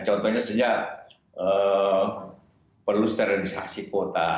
contohnya sejak perlu sterilisasi kuota